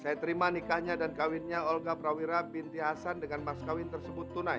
saya terima nikahnya dan kawinnya olga prawira binti hasan dengan mas kawin tersebut tunai